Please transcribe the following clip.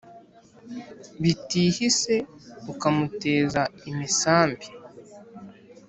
Biti ihi se, ukamuteza imisambi